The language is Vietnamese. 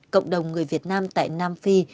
cộng đồng người việt nam tại nam phi